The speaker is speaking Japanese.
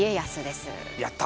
やった！